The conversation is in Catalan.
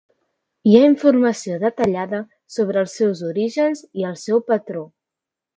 Hi ha informació detallada sobre els seus orígens i el seu patró.